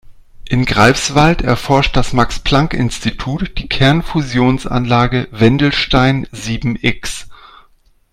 In Greifswald erforscht das Max-Planck-Institut die Kernfusionsanlage Wendelstein sieben-X.